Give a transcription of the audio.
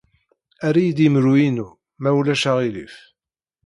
Err-iyi-d imru-inu, ma ulac aɣilif.